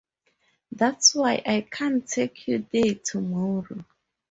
That's why I can't take you there tomorrow.